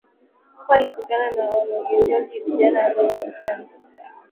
Huko alikutana na mwanamageuzi kijana aliyeitwa Ernesto Che Guevara